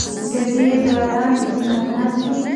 د ډیر باران امکانات دی